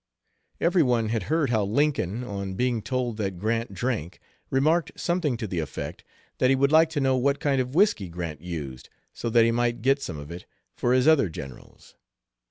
Every one had heard how Lincoln, on being told that Grant drank, remarked something to the effect that he would like to know what kind of whisky Grant used so that he might get some of it for his other generals.